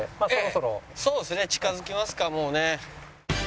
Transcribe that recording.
そうですね近づきますかもうね。